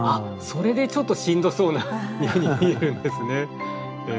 それでちょっとしんどそうなふうに見えるんですね。